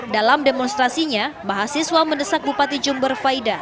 dalam demonstrasinya mahasiswa mendesak bupati jember faida